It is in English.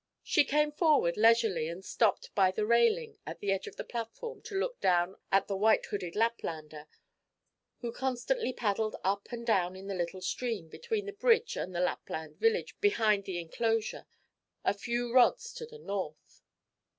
She came forward leisurely, and stopped by the railing at the edge of the platform to look down at the white hooded Laplander who constantly paddled up and down in the little stream, between the bridge and the Lapland Village behind the inclosure, a few rods to the north.